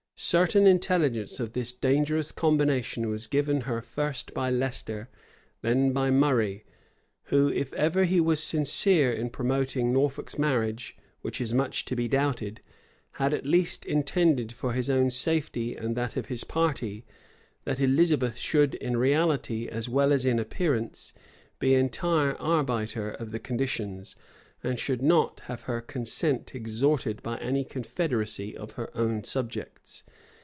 Certain intelligence of this dangerous combination was given her first by Leicester, then by Murray,[v] who, if ever he was sincere in promoting Norfolk's marriage, which is much to be doubted, had at least intended for his own safety and that of his party, that Elizabeth should in reality, as well as in appearance, be entire arbiter of the conditions, and should not have her consent extorted by any confederacy of her own subjects.